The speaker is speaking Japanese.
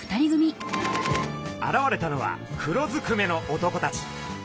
現れたのは黒ずくめの男たち。